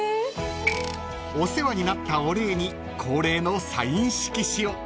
［お世話になったお礼に恒例のサイン色紙を］